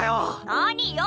何よ！